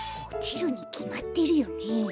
おちるにきまってるよね？